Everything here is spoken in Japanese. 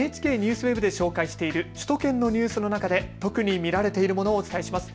ＮＨＫＮＥＷＳＷＥＢで紹介している首都圏のニュースの中で特に見られているものをお伝えします。